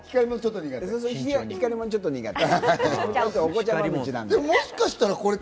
光り物、ちょっと苦手？